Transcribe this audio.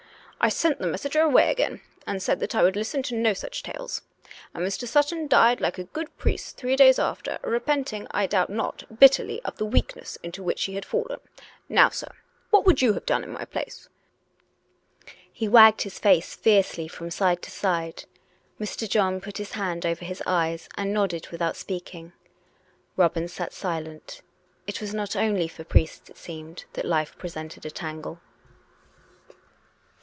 I sent the messenger away again, and said that I Avould listen to no such tales. And Mr. Sutton died like a good priest three days after, repenting, I doubt not, bitterly, of the weakness into which COME RACK! COME ROPE! 377 he had fallen. Now, sir, what would you have done in my place? " He wagged his face fiercely from side to side. Mr. John put his hand over his eyes and nodded without speaking. Robin sat silent: it was not only for priests, it seemed, that life presented a tangle.